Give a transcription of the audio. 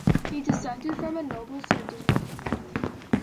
He descended from a noble Sardinian family.